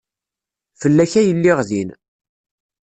Fell-ak ay lliɣ din.